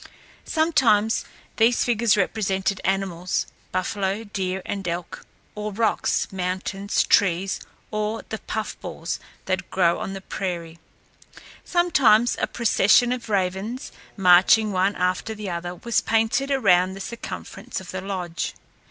Sometimes these figures represented animals buffalo, deer, and elk or rocks, mountains, trees, or the puff balls that grow on the prairie. Sometimes a procession of ravens, marching one after the other, was painted around the circumference of the lodge.